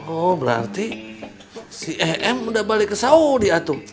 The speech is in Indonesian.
oh berarti si e m udah balik ke saudi atung